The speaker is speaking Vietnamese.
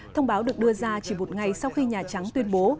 thông báo được đưa ra chỉ một ngày sau khi nhà trắng tuyên bố